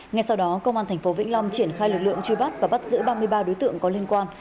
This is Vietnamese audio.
ngay sau đó công an tp vĩnh long triển khai lực lượng truy bắt và bắt giữ ba mươi ba đối tượng có liên quan